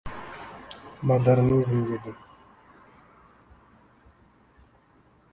— Modernizm! — dedi.